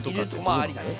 ありだね。